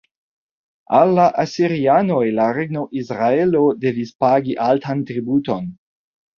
Al la asirianoj la regno Izraelo devis pagi altan tributon.